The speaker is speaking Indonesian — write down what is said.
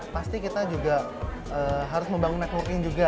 pasti kita juga harus membangun networking juga